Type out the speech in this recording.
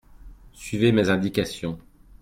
suivez mes indications.